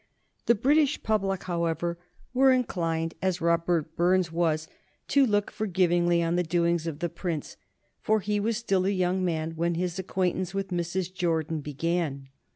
The British public, however, were inclined, as Robert Burns was, to look forgivingly on the doings of the Prince, for he was still a young man when his acquaintance with Mrs. Jordan began.